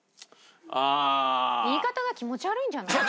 言い方が気持ち悪いんじゃない？